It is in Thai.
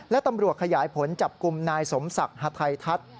และตำรวจขยายผลจับกลุ่มนายสมศักดิ์ฮาไททัศน์